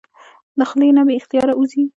د خلې نه بې اختياره اوځي